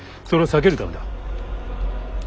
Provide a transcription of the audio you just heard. それを避けるためだ。